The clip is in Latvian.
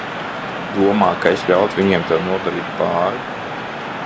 Domā, ka es ļautu viņiem tev nodarīt pāri?